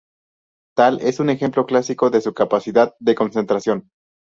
Tal es un ejemplo clásico de su capacidad de concentración.